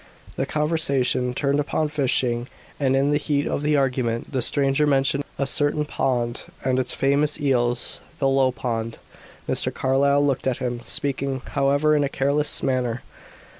The conversation turned upon fishing, and in the heat of the argument, the stranger mentioned a certain pond and its famous eels the "Low Pond." Mr. Carlyle looked at him, speaking, however in a careless manner.